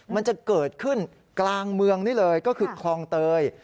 มันจะเกิดขึ้นกลางเมืองนี่เลยก็คือคลองเตย